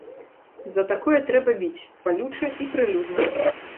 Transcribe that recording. За такое трэба біць, балюча і прылюдна.